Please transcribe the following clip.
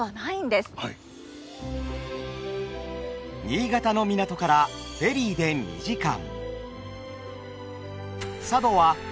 新潟の港からフェリーで２時間。